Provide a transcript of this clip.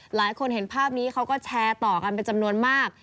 หลายคนเห็นภาพนี้เขาก็แชร์ต่อกันเป็นจำนวนมาก